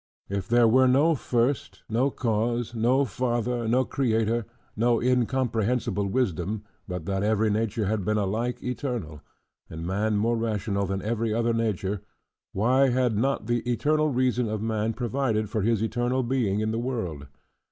If there were no first, no cause, no father, no creator, no incomprehensible wisdom, but that every nature had been alike eternal; and man more rational than every other nature: why had not the eternal reason of man provided for his eternal being in the world?